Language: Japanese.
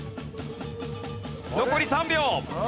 残り３秒！